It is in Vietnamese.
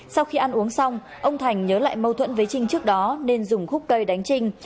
sau khi ăn uống xong ông thành nhớ lại mâu thuẫn với trinh trước đó nên dùng khúc cây đánh trinh